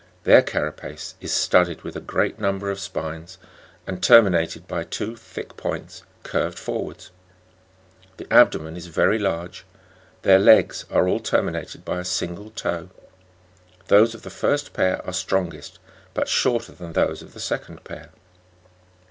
Their carapace is studded with a great number of spines, and terminated by two thick points curved forwards; the abdomen is very large; their legs are all termi nated by a single toe; those of the first pair are strongest, but shorter than those of the second pair.